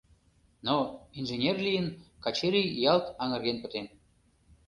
Но, «инженер» лийын, Качырий ялт аҥырген пытен.